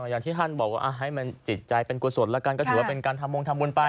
อย่างที่ท่านบอกว่าให้มันจิตใจเป็นกุศลแล้วกันก็ถือว่าเป็นการทำมงทำบุญไป